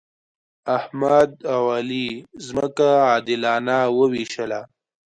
احمد او علي ځمکه عادلانه وویشله.